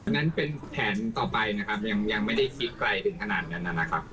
นั้นเป็นแผนต่อไปนะครับยังไม่ได้คิดไกลถึงขนาดนั้นนะครับ